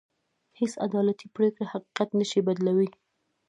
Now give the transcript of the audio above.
هېڅ عدالتي پرېکړه حقيقت نه شي بدلولی.